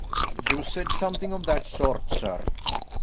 "You said something of that sort, sir."